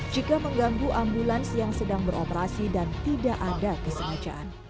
jika mengganggu ambulans yang sedang beroperasi dan tidak ada kesengajaan